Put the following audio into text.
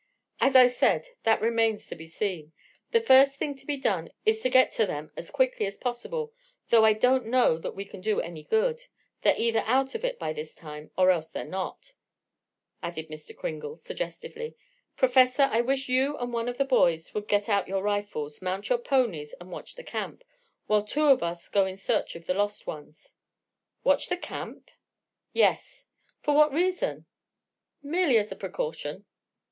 "As I said, that remains to be seen. The first thing to be done is to get to them as quickly as possible, though I don't know that we can do any good. They're either out of it, by this time, or else they're not," added Mr. Kringle suggestively. "Professor, I wish you and one of the boys would get out your rifles, mount your ponies and watch the camp, while two of us go in search of the lost ones." "Watch the camp?" "Yes." "For what reason?" "Merely as a precaution."